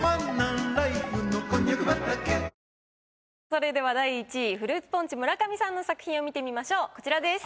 それでは第１位フルーツポンチ・村上さんの作品を見てみましょうこちらです。